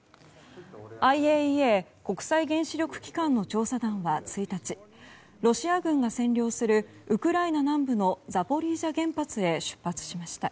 ＩＡＥＡ・国際原子力機関の調査団は１日ロシア軍が占領するウクライナ南部のザポリージャ原発へ出発しました。